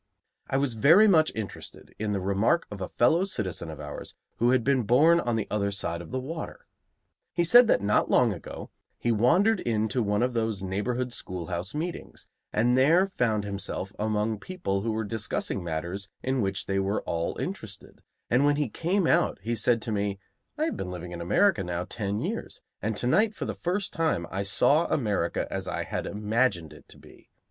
I was very much interested in the remark of a fellow citizen of ours who had been born on the other side of the water. He said that not long ago he wandered into one of those neighborhood schoolhouse meetings, and there found himself among people who were discussing matters in which they were all interested; and when he came out he said to me: "I have been living in America now ten years, and to night for the first time I saw America as I had imagined it to be.